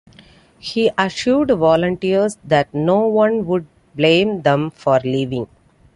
He assured volunteers that no one would blame them for leaving.